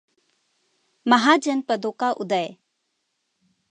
महाजनपदों का उदय